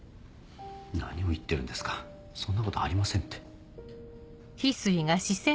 何を言ってるんですかそんなことありませんって。